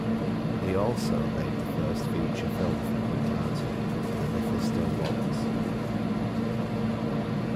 He also made the first feature film for Quinn Martin, "The Mephisto Waltz".